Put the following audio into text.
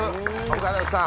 岡田さん